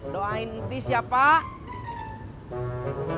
doain please ya pak